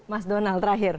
mas donal terakhir